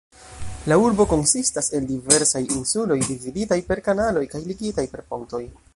La urbo konsistas el diversaj insuloj, dividitaj per kanaloj kaj ligitaj per pontoj.